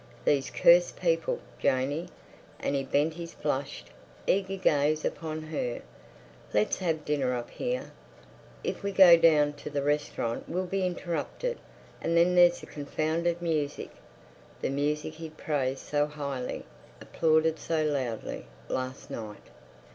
These cursed people! Janey"—and he bent his flushed, eager gaze upon her—"let's have dinner up here. If we go down to the restaurant we'll be interrupted, and then there's the confounded music" (the music he'd praised so highly, applauded so loudly last night!).